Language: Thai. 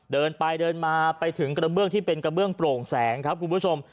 เดินไปเดินมาไปถึงกระเบื้องที่เป็นกระเบื้องโปร่งแสงครับคุณผู้ชม